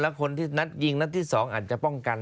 แล้วคนที่นัดยิงนัดที่๒อาจจะป้องกัน